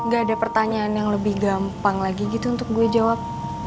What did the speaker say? gak ada pertanyaan yang lebih gampang lagi gitu untuk gue jawab